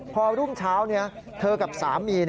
พอรุ่งเช้าเธอกับสามี